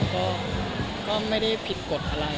ก็ไม่ได้ผิดกฎอะไร